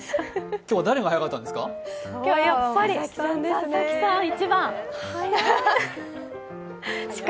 今日は誰が早かったんですか？